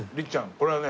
これはね。